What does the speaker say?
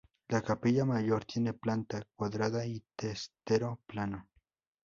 La capilla mayor tiene planta cuadrada y testero plano.